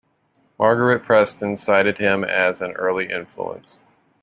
Margaret Preston cited him as an early influence.